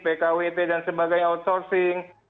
pkwt dan sebagai outsourcing